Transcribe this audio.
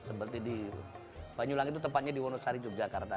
seperti di banyu langit itu tempatnya di wonosari yogyakarta